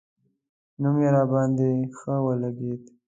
نوم یې راباندې ښه ولګېد.